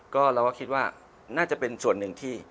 ก็เราก็คิดว่าน่าจะเป็นส่วนหนึ่งที่